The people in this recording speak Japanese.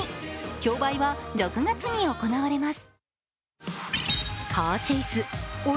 競売は６月に行われます。